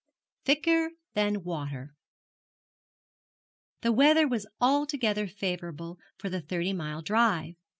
THICKER THAN WATER. The weather was altogether favourable for the thirty mile drive.